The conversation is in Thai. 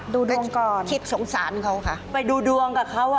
ดวงก่อนคิดสงสารเขาค่ะไปดูดวงกับเขาอ่ะ